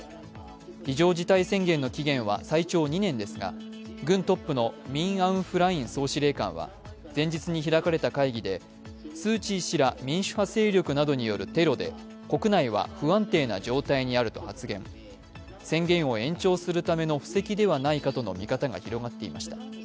非常事態宣言の期限は最長２年ですが軍トップのミン・アウン・フライン総司令官は前日に開かれた会議でスー・チー氏ら民主派勢力などによるテロで国内は不安定な状態にあると発言、宣言を延長するための布石ではないかとの見方が広がっていました。